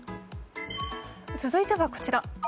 続いてはこちら。